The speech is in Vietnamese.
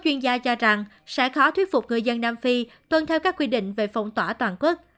chuyên gia cho rằng sẽ khó thuyết phục người dân nam phi tuân theo các quy định về phong tỏa toàn quốc